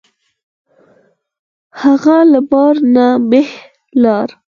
هغه له بار نه بهر لاړ.